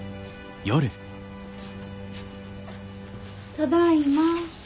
ただいま。